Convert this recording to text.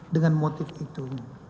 dengan motif itu